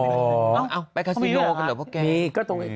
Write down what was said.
โอ้ยนี่มีงูด้วยนะอย่าง